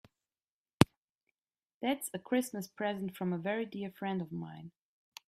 That's a Christmas present from a very dear friend of mine.